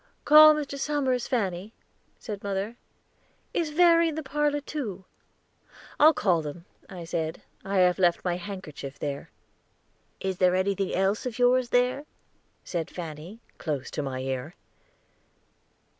"Call Mr. Somers, Fanny," said mother. "Is Verry in the parlor, too?" "I'll call them," I said; "I have left my handkerchief there." "Is anything else of yours there?" said Fanny, close to my ear.